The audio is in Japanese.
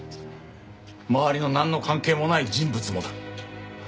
周りのなんの関係もない人物もだ。